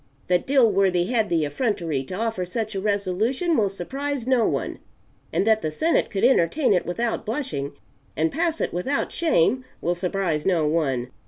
That Dilworthy had the effrontery to offer such a resolution will surprise no one, and that the Senate could entertain it without blushing and pass it without shame will surprise no one.